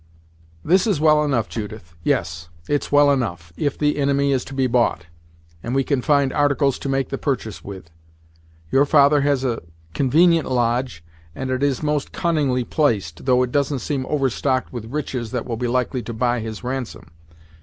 "This is well enough, Judith; yes, it's well enough, if the inimy is to be bought, and we can find articles to make the purchase with. Your father has a convenient lodge, and it is most cunningly placed, though it doesn't seem overstock'd with riches that will be likely to buy his ransom.